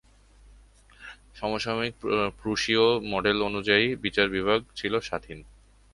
সমসাময়িক প্রুশীয় মডেল অনুযায়ী বিচার বিভাগ ছিল স্বাধীন।